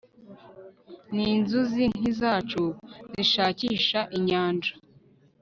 ninzuzi nkizacu zishakisha inyanja